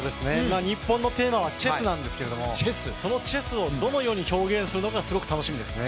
日本のテーマはチェスなんですけどそのチェスをどのように表現するのかすごく楽しみですね。